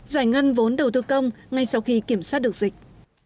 giải ngân vốn đầu tư công ngay sau khi kiểm soát được dịch